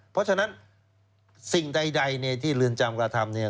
เพราะฉะนั้นสิ่งใดที่เรือนจำกระทำเนี่ย